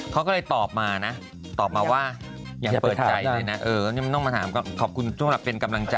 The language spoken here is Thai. เวลาเข้ามีวันเดียวเวลาออกเยอะ